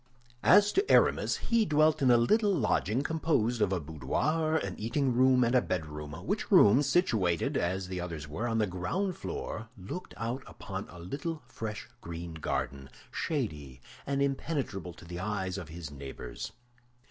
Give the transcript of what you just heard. As to Aramis, he dwelt in a little lodging composed of a boudoir, an eating room, and a bedroom, which room, situated, as the others were, on the ground floor, looked out upon a little fresh green garden, shady and impenetrable to the eyes of his neighbors.